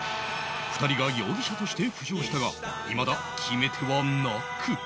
２人が容疑者として浮上したがいまだ決め手はなく